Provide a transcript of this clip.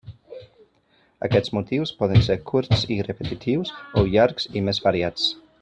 Aquests motius poden ser curts i repetitius, o llargs i més variats.